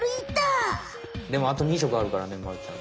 でもあと２色あるからねまるちゃん。